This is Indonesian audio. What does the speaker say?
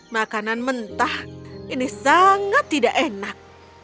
makanan mentah ini sangat tidak enak